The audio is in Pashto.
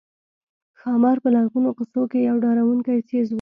ښامار په لرغونو قصو کې یو ډارونکی څېز وو